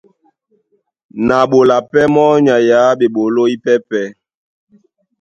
Na ɓola pɛ́ mɔ́ nyay á ɓeɓoló ípɛ́pɛ̄.